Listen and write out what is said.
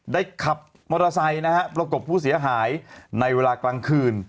ขับมอเตอร์ไซค์นะฮะประกบผู้เสียหายในเวลากลางคืน